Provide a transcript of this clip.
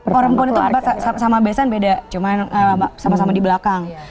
perempuan itu sama besan beda cuma sama sama di belakang